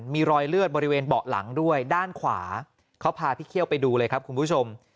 มีรอยเลือดบริเวณเบาะหลังด้วยด้านขวาเขาพาพี่เคี่ยวไปดูเลยครับคุณผู้ชม